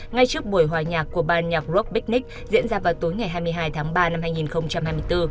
ngay trước buổi hòa nhạc của ban nhạc rocknik diễn ra vào tối ngày hai mươi hai tháng ba năm hai nghìn hai mươi bốn